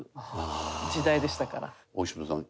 大島さん